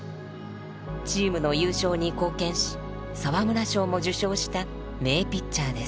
チームの優勝に貢献し沢村賞も受賞した名ピッチャーです。